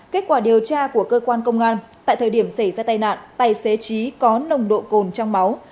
kết quả điều tra của cơ quan công an tại thời điểm xảy ra tai nạn tài xế trí có nồng độ cồn trong máu